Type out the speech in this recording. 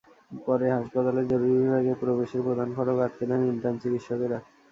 পরে হাসপাতালের জরুরি বিভাগে প্রবেশের প্রধান ফটক আটকে দেন ইন্টার্ন চিকিৎসকেরা।